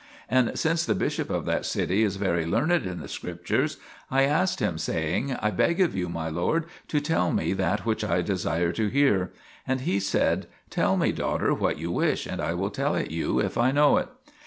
And since the bishop of that city is very learned in the Scrip tures, I asked him, saying :" I beg of you, my lord, to tell me that which I desire to hear." And he said :" Tell me, daughter, what you wish, and I will tell it you, if I know it."